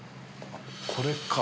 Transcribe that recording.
これか。